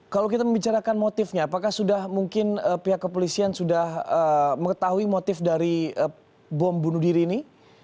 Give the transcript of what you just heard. kalau kita membicarakan motifnya apakah sudah mungkin pihak kepolisian sudah mengetahui motif dari bom bunuh diri ini